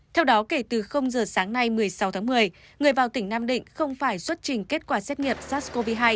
theo đó kể từ giờ sáng nay một mươi sáu tháng một mươi người vào tỉnh nam định không phải xuất trình kết quả xét nghiệm sars cov hai